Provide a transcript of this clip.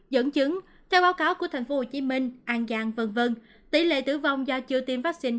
dẫn chứng theo báo cáo của tp hcm an giang v v tỷ lệ tử vong do chưa tiêm vaccine